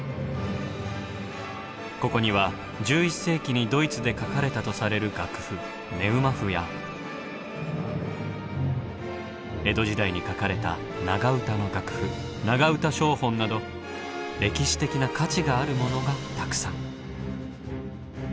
ここには１１世紀にドイツで書かれたとされる楽譜「ネウマ譜」や江戸時代に書かれた長唄の楽譜「長唄正本」など歴史的な価値があるものがたくさん。